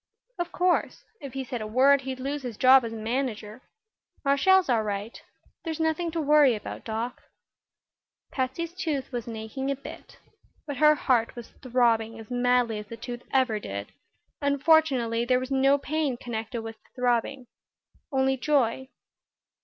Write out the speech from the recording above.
"Of course. If he said a word he'd lose his job as manager. Marshall's all right. There's nothing to worry about, Doc." Patsy's tooth wasn't aching a bit. But her heart was throbbing as madly as the tooth ever did, and fortunately there was no pain connected with the throbbing only joy.